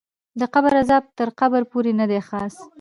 د قبر غذاب تر قبر پورې ندی خاص